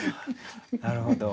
なるほど。